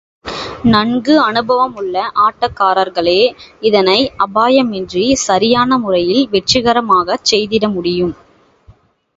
நன்கு அனுபவம் உள்ள ஆட்டக்காரர்களே இதனை அபாயமின்றி சரியான முறையில், வெற்றிகரமாகச் செய்திட முடியும்.